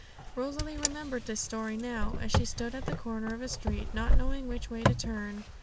Rosalie remembered this story now, as she stood at the corner of a street, not knowing which way to turn.